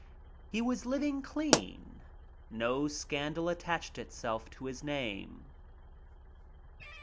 He was living clean. No scandal attached itself to his name.